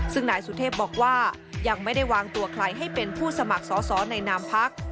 ซึ่งนายสุเทพบอกว่ายังไม่ได้วางตัวใครให้เป็นผู้สมัครสอสอในนามพัก